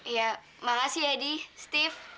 ya makasih ya di steve